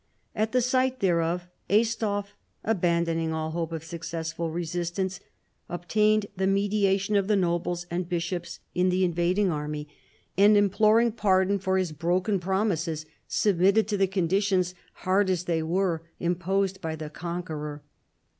At the sight thereof, Aistulf, abandoning all hope of successful resistance, obtained the mediation of the noblos and bishops in the invading army, and, PIPPIN, KING OF THE FRANKS. lol imploring pardon for his broken promises, submitted to the conditions, hard as they were, imposed by the conqueror.